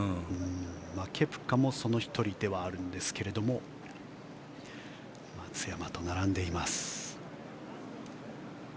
ケプカもその１人ではあるんですが松山と並んでいます。